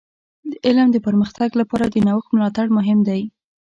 د علم د پرمختګ لپاره د نوښت ملاتړ مهم دی.